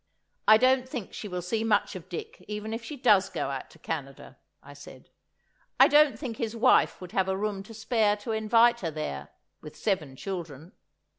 "I don't think she will see much of Dick even if she does go out to Canada," I said; "I don't think his wife would have a room to spare to invite her there—with seven children.